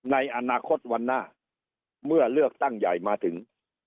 ในอนาคตวันหน้าเมื่อเลือกตั้งใหญ่มาถึง